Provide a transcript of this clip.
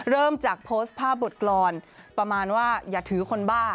เริ่มจากโพสต์ภาพบทกรรมประมาณว่าอย่าถือคนบ้า